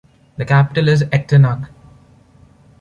The capital is Echternach.